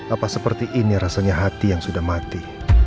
apa seperti ini rasanya hati yang sudah mati